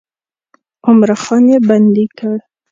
عمرا خان یې بندي کړ.